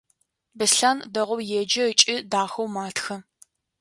Беслъэн дэгъоу еджэ ыкӏи дахэу матхэ.